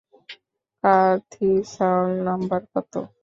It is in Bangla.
কাথির্সান, নাম্বার কত?